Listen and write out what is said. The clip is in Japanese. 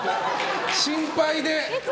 心配で。